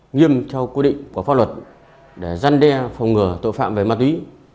nghiêm theo quy định của pháp luật để gian đe phòng ngừa tội phạm về ma túy